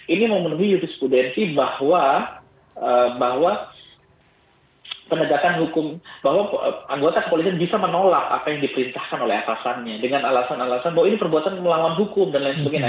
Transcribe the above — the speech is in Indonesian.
ini memenuhi jurisprudensi bahwa penegakan hukum bahwa anggota kepolisian bisa menolak apa yang diperintahkan oleh atasannya dengan alasan alasan bahwa ini perbuatan melawan hukum dan lain sebagainya